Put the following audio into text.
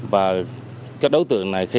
và các đối tượng này khi